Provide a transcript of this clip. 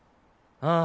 ああ。